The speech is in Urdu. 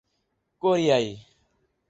کوریائی